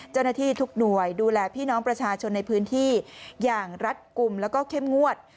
เจ้าหน้าที่ทุกหน่วยดูแลพี่น้องประชาชนในพื้นที่อย่างรัดกลุ่มแล้วก็เข้มงวด